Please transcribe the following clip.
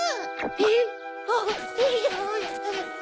えっ！